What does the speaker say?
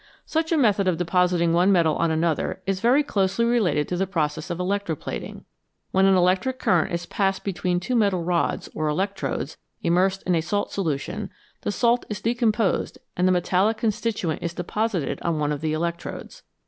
Such a method of depositing one metal on another is very closely related to the process of electro plating. When an electric current is passed between two metal rods or electrodes immersed in a salt solution, the salt is decomposed and the metallic constituent is deposited on one of the electrodes.